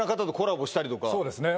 そうですね